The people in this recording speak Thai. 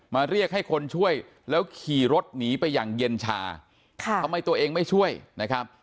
เรียกให้คนช่วยแล้วขี่รถหนีไปอย่างเย็นชาทำไมตัวเองไม่ช่วยนะครับ